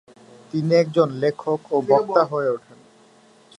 তিনি একজন লেখক ও বক্তা হয়ে উঠেন।